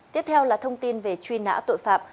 tiếp theo là thông tin về truy nã tội phạm